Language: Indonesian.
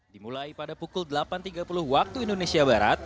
dimulai pada pukul delapan tiga puluh waktu indonesia barat